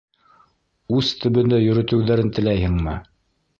— Ус төбөндә йөрөтөүҙәрен теләйһеңме?